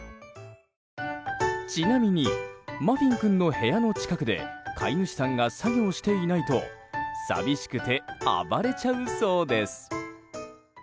ちなみに、まふぃん君の部屋の近くで飼い主さんが作業していないと寂しくて暴れちゃうそうです。